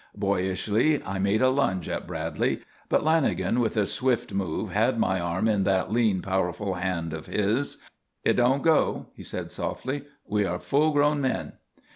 Boyishly I made a lunge at Bradley, but Lanagan, with a swift move, had my arm in that lean, powerful hand of his. "It don't go," he said, softly. "We are full grown men."